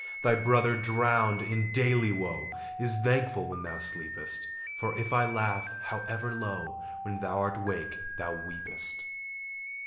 Thy brother, drowned in daily woe, Is thankful when thou sleepest; For if I laugh, however low, When thou'rt awake, thou weepest!